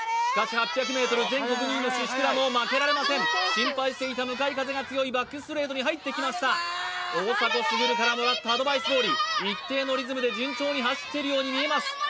しかし８００ｍ全国２位の宍倉も負けられません心配していた向かい風が強いバックストレートに入ってきました大迫傑からもらったアドバイスどおり一定のリズムで順調に走っているように見えます